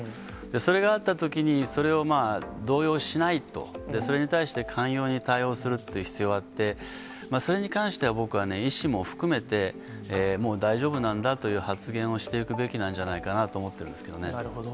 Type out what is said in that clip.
それがあったときに、それを動揺しないと、それに対して寛容に対応するという必要はあって、それに関しては僕はね、医師も含めて、もう大丈夫なんだという発言をしていくべきなんじゃないかなと思ってるんですけどなるほど。